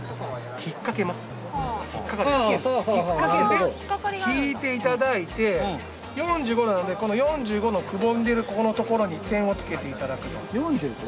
で引いていただいて４５なのでこの４５のくぼんでるここのところに点をつけていただくと。